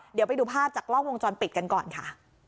เดี๋ยวไปดูภาพจากกล้องวงจรปิดกันก่อนค่ะ